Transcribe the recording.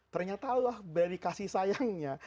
ternyata allah beri kasih sayangnya